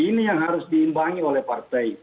ini yang harus diimbangi oleh partai